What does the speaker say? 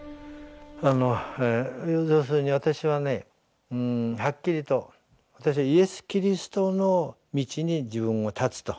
要するに私はねはっきりと私はイエス・キリストの道に自分を立つと。